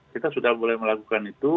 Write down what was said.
kita sudah mulai melakukan itu